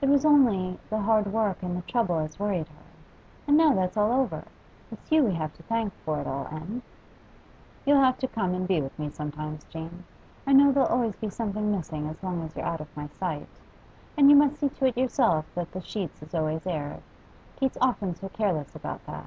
It was only the hard work and the trouble as worried her. And now that's all over. It's you we have to thank for it all, Em.' 'You'll have to come and be with me sometimes, Jane. I know there'll always be something missing as long as you're out of my sight. And you must see to it yourself that the sheets is always aired; Kate's often so careless about that.